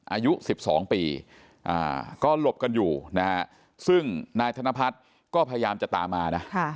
อายุ๑๒ปีก็หลบกันอยู่นะฮะซึ่งนายธนพัฒน์ก็พยายามจะตามมานะ